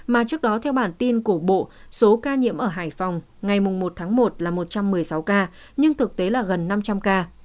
mà trước đó theo bản tin cổ bộ số ca nhiễm ở hải phòng ngày một tháng một là một trăm một mươi sáu ca nhưng thực tế là gần năm trăm linh ca